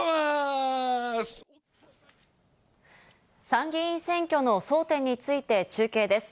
参議院選挙の争点について中継です。